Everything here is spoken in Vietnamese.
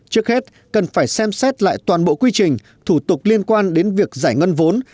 trước hết cần phải xem xét lại toàn bộ quy trình thủ tục liên quan đến việc giải ngân vốn